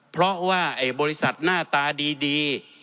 เพราะว่าไอ้บริษัทหน้าตาดี